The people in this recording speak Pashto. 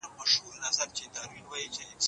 هیچا تر اوسه زما پوښتنې ته روښانه ځواب نه دی ورکړی.